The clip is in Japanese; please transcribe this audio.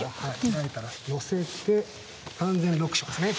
開いたら寄せて完全にロックしますね。